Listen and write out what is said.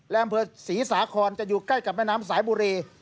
และอำเภอศรีสาครจะอยู่ใกล้กับแม่น้ำสายบุรี